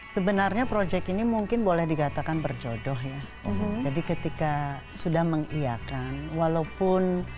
sebenarnya project ini mungkin boleh digatakan berjodoh ya jadi ketika sudah mengiyakan walaupun